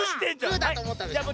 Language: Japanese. グーだとおもったでしょ。